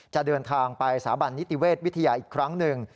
จะเดินทางไปสถาบันนิติเวชวิทยาอีกครั้งหนึ่ง